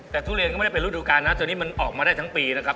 แต่ทุเรียนก็ไม่ได้เป็นฤดูการนะตัวนี้มันออกมาได้ทั้งปีนะครับ